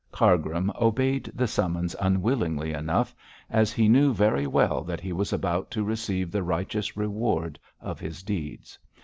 Cargrim obeyed the summons unwillingly enough, as he knew very well that he was about to receive the righteous reward of his deeds.